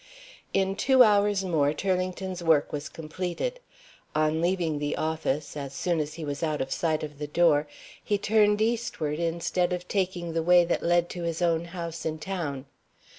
In two hours more Turlington's work was completed. On leaving the office as soon as he was out of sight of the door he turned eastward, instead of taking the way that led to his own house in town.